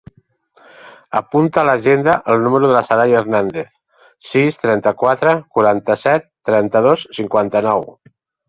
Apunta a l'agenda el número de la Saray Hernandez: sis, trenta-quatre, quaranta-set, trenta-dos, cinquanta-nou.